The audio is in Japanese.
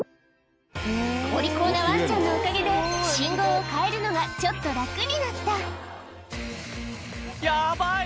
お利口なわんちゃんのおかげで、信号を変えるのがちょっと楽になやばい！